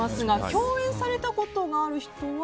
共演されたことがある人は。